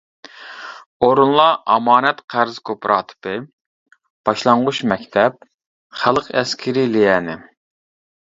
ئورۇنلار ئامانەت-قەرز كوپىراتىپى، باشلانغۇچ مەكتەپ، خەلق ئەسكىرى ليەنى.